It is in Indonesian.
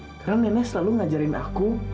sekarang nenek selalu ngajarin aku